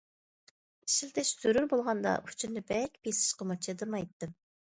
ئىشلىتىش زۆرۈر بولغاندا ئۇچىنى بەك بېسىشقىمۇ چىدىمايتتىم.